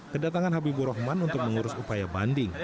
kedatangan habibur rahman untuk mengurus upaya banding